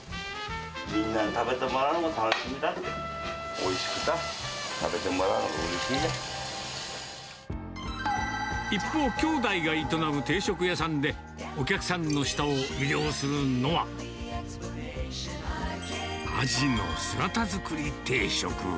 みんなに食べてもらうのが楽しみなんで、おいしくさ、食べて一方、兄妹が営む定食屋さんで、お客さんの舌を魅了するのは、アジの姿造り定食。